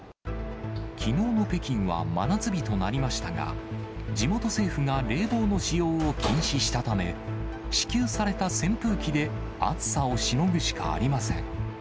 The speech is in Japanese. きのうの北京は真夏日となりましたが、地元政府が冷房の使用を禁止したため、支給された扇風機で暑さをしのぐしかありません。